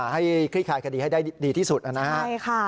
ให้คลิกขายคดีให้ได้ดีที่สุดนะครับ